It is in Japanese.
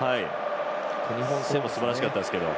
日本戦もすばらしかったですけど。